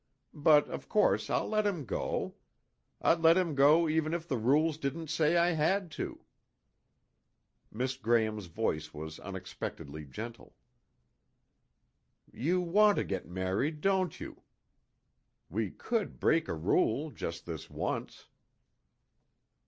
But of course I'll let him go. I'd let him go even if the rules didn't say I had to." Miss Graham's voice was unexpectedly gentle. "You want to get married, don't you? We could break a rule, just this once."